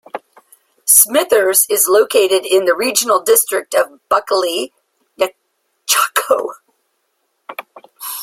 Smithers is located in the Regional District of Bulkley-Nechako.